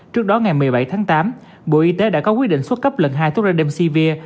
trước đó ngày một mươi bảy tháng tám bộ y tế đã có quyết định xuất cấp lần hai thuốc redemsevere